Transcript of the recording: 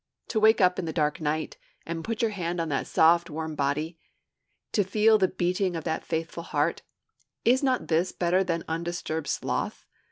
To wake up in the dark night, and put your hand on that warm soft body, to feel the beating of that faithful heart is not this better than undisturbed sloth?